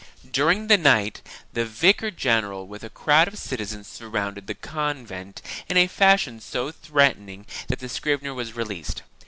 During the night the vicar general with a crowd of citizens surrounded the convent in a fashion so threatening that the scrivener was released.